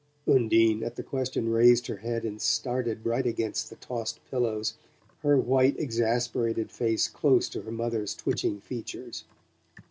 Undine, at the question, raised her head and started right against the tossed pillows, her white exasperated face close to her mother's twitching features.